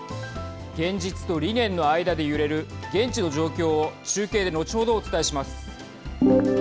現実と理念の間で揺れる現地の状況を中継で後ほどお伝えします。